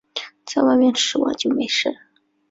在外面吃完就没事